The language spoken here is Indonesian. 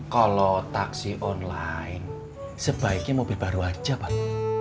kalau taksi online sebaiknya mobil baru aja pak